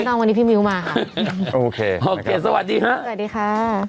ต้องวันนี้พี่มิ้วมาค่ะโอเคโอเคสวัสดีค่ะสวัสดีค่ะ